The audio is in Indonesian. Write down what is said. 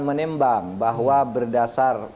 menimbang bahwa berdasar